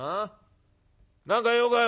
何か用かい？